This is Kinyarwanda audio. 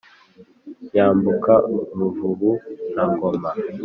yambuka ruvubu na goma